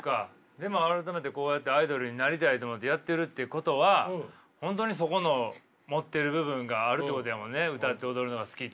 でも改めてこうやってアイドルになりたいと思ってやってるっていうことは本当にそこの持ってる部分があるってことやもんね。